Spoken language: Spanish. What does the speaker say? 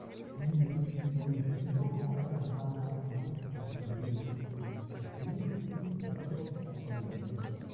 Miller la identificó como una hermana de Constantino Láscaris y Teodoro I Láscaris.